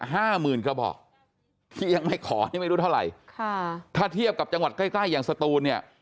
ห้าหมื่นกระบอกที่ยังไม่ขอนี่ไม่รู้เท่าไหร่ค่ะถ้าเทียบกับจังหวัดใกล้ใกล้อย่างสตูนเนี่ย